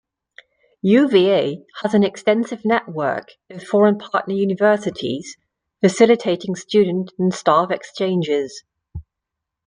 UvA has an extensive network of foreign partner universities, facilitating student and staff exchanges.